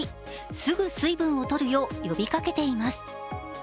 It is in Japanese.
すぐ水分を取るよう呼びかけています。